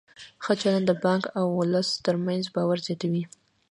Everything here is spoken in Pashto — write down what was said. ښه چلند د بانک او ولس ترمنځ باور زیاتوي.